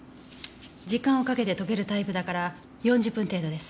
時間をかけて溶けるタイプだから４０分程度です。